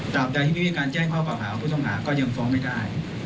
ใดที่ไม่มีการแจ้งข้อเก่าหาผู้ต้องหาก็ยังฟ้องไม่ได้